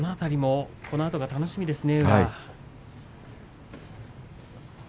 このあと楽しみですね。